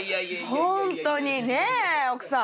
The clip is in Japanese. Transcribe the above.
本当にねぇ奥さん。